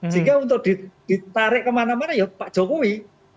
sehingga untuk ditarik kemana mana ya pak jokowi